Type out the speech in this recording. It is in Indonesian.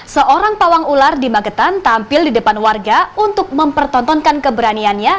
seorang pawang ular di magetan tampil di depan warga untuk mempertontonkan keberaniannya